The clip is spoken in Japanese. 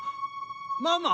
ママ！